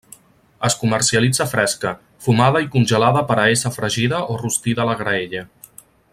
Es comercialitza fresca, fumada i congelada per a ésser fregida o rostida a la graella.